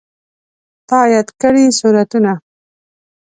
تا یاد کړي سورتونه